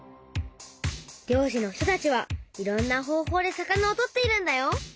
漁師の人たちはいろんな方法で魚をとっているんだよ。